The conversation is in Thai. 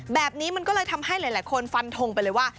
แบบนี้มันก็เลยทำให้หลายคนฟันทงไปเลยว่า